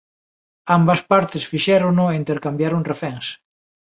Ambas partes fixérono e intercambiaron reféns.